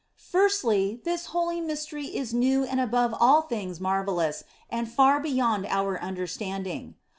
Firstly, this holy Mystery is new and above all things OF FOLIGNO 147 marvellous, and far beyond our understanding.